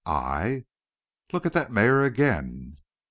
"I " "Look at that mare again!"